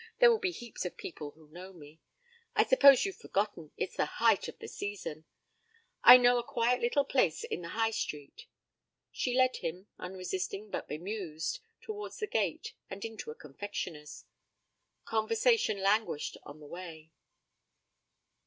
There will be heaps of people who know me. I suppose you've forgotten it's the height of the season. I know a quiet little place in the High Street.' She led him, unresisting but bemused, towards the gate, and into a confectioner's. Conversation languished on the way.